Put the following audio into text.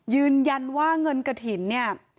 ยืนยันว่าเงินกระถิ่นเนี่ย